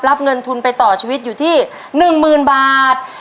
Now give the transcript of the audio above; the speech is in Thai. รับเงินทุนไปต่อชีวิตอยู่ที่๑๐๐๐บาท